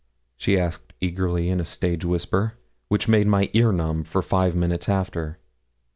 she asked eagerly, in a stage whisper, which made my ear numb for five minutes after.